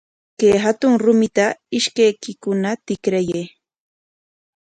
Kay hatun rumita ishkaykikuna tikrayay.